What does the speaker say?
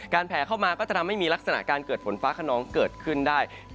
แผลเข้ามาก็จะทำให้มีลักษณะการเกิดฝนฟ้าขนองเกิดขึ้นได้